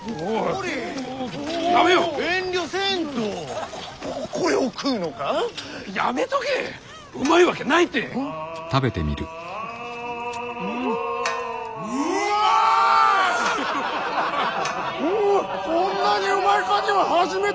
こんなにうまいカニは初めてじゃ！